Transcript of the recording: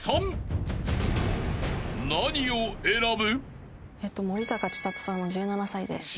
［何を選ぶ？］